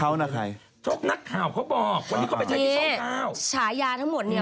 เอ้ามาถึงฉายาดาราปี๕๘นะฮะถูกตั้งขึ้นมาโดยสมาคมนักข่าวเมืองเทิงแห่งประเทศไทย